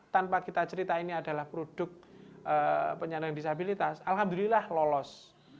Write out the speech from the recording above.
tanpa kita cerita ini adalah produk penyandang disabilitas alhamdulillah lolos